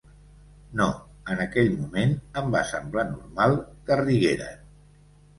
No, en aquell moment, em va semblar normal que rigueren.